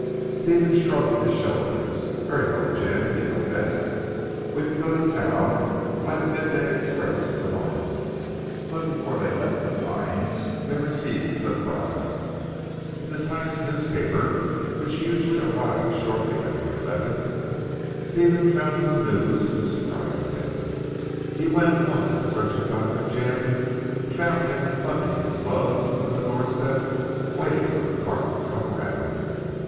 Stephen shrugged his shoulders. "Very well Jim. You know best. We can go to town by the mid day express, to morrow." But before they left "The Pines," they received a surprise. In the Times newspaper which usually arrived shortly after eleven, Stephen found some news which surprised him. He went at once in search of Dr. Jim and found him buttoning his gloves on the door step waiting for the cart to come round.